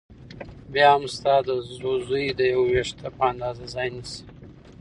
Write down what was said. بيا هم ستا د زوى د يوه وېښته په اندازه ځاى نيسي .